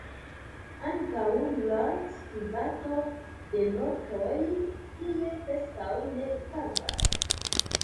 Ankaŭ la "skribado" de notoj tie preskaŭ ne gravas.